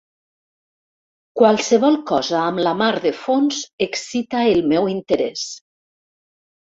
Qualsevol cosa amb la mar de fons excita el meu interès.